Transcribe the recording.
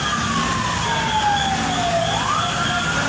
จอดรถเลือดให้จุดมีความสั่งใจ